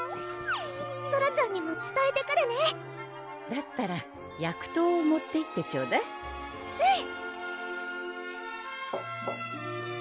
ソラちゃんにもつたえてくるねだったら薬湯を持っていってちょうだいうん！